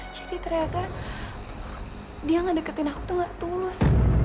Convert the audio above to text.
jadi ternyata dia nggak deketin aku tuh nggak tulus